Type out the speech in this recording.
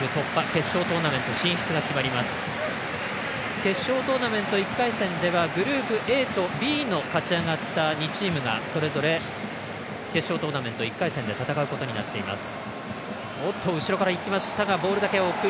決勝トーナメント１回戦ではグループＡとＢの勝ち上がった２チームがそれぞれ決勝トーナメント１回戦で戦うことになっています。